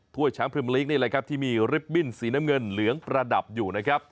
แชมป์พรีเมอร์ลีกนี่แหละครับที่มีริปบิ้นสีน้ำเงินเหลืองประดับอยู่นะครับ